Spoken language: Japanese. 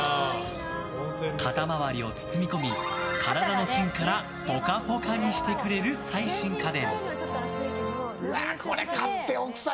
肩周りを包み込み体の芯からぽかぽかにしてくれる最新家電。